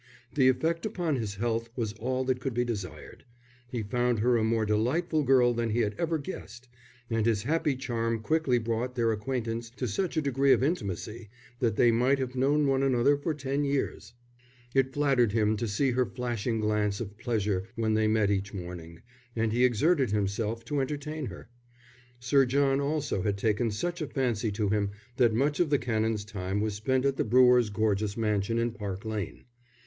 The effect upon his health was all that could be desired. He found her a more delightful girl than he had ever guessed; and his happy charm quickly brought their acquaintance to such a degree of intimacy that they might have known one another for ten years. It flattered him to see her flashing glance of pleasure when they met each morning, and he exerted himself to entertain her. Sir John also had taken such a fancy to him that much of the Canon's time was spent at the brewer's gorgeous mansion in Park Lane.